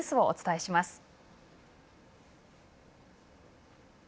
お伝えします。